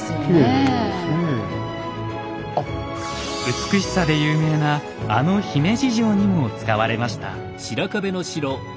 美しさで有名なあの姫路城にも使われました。